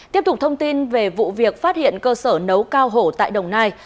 tiếp tục thông tin về vụ việc phát hiện cơ sở nấu cao hổ tại đồng nai